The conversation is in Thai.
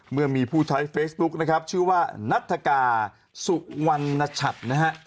เมื่อมีผู้ใช้เฟซบุ๊คนะครับชื่อว่านัฐกาสุวรรณชัดนะฮะ